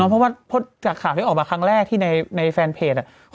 รับคำนี้ออกมาครั้งแรกที่ในแฟนเพจ